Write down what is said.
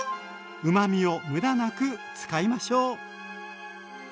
うまみを無駄なく使いましょう。